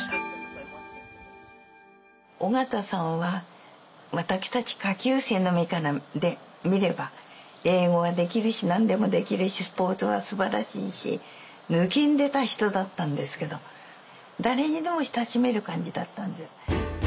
緒方さんは私たち下級生の身から見れば英語はできるし何でもできるしスポーツはすばらしいしぬきんでた人だったんですけど誰にでも親しめる感じだったんで。